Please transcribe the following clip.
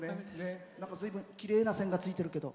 ずいぶんきれいな線がついてるけど。